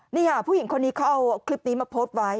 นี่ค่ะผู้หญิงคนนี้เขาเอาคลิปนี้มาโพสต์ไว้